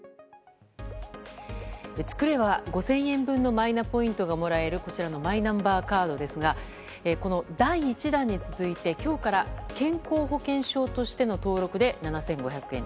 作れば５０００円のマイナポイントがもらえるこちらのマイナンバーカードですが第１弾に続いて今日から健康保険証としての登録で７５００円。